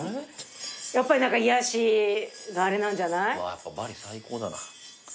やっぱバリ最高だな。